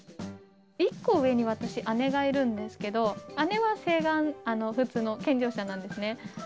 １個上に、私、姉がいるんですけど、姉は晴眼、普通の健常者なんですね。